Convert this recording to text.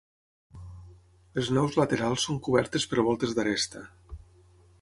Les naus laterals són cobertes per voltes d'aresta.